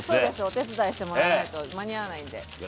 お手伝いしてもらわないと間に合わないんで。